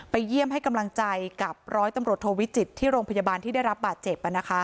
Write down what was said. เยี่ยมให้กำลังใจกับร้อยตำรวจโทวิจิตรที่โรงพยาบาลที่ได้รับบาดเจ็บ